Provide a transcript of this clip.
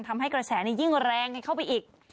ทำให้กระแสยิ่งแรงเข้าไปอีก